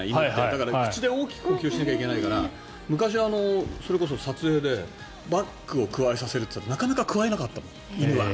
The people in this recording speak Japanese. だから口で大きく呼吸しないといけないから昔、それこそ撮影でバックをくわえさせるって言ったらなかなかくわえなかったの。